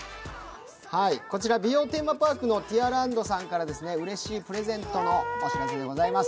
こちら美容テーマパークのＴｉｅｒｌａｎｄさんからうれしいプレゼントのお知らせでございます。